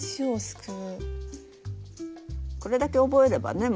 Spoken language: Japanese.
これだけ覚えればね